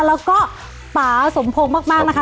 และก็ป๋าสมโพงมากนะคะ